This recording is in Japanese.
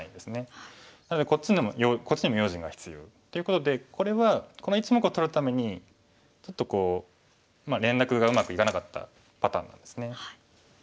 なのでこっちにも用心が必要。ということでこれはこの１目を取るためにちょっとこう連絡がうまくいかなかったパターンなんですね。